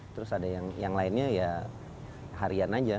terus ada yang lainnya ya harian aja